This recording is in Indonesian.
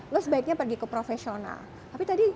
lo sebaiknya pergi ke profesional tapi tadi